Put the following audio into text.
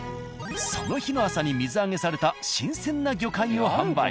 その日の朝に水揚げされた新鮮な魚介を販売。